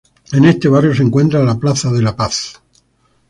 En este barrio se encuentra la Plaza de la Paz